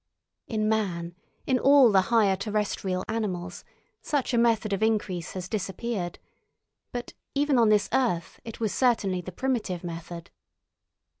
In man, in all the higher terrestrial animals, such a method of increase has disappeared; but even on this earth it was certainly the primitive method.